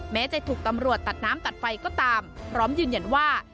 แม้จะถูกตำรวจตัดน้ำตัดไฟก็ตามพร้อมยืนยันว่า